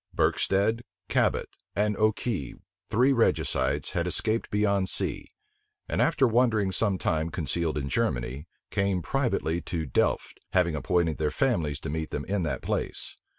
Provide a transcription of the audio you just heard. Berkstead, Cobbet, and Okey, three regicides, had escaped beyond sea; and after wandering some time concealed in Germany, came privately to Delft, having appointed their families to meet them in that place.